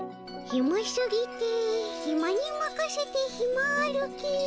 「ひますぎてひまにまかせてひま歩き。